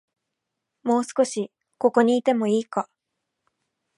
もう少し、ここにいてもいいか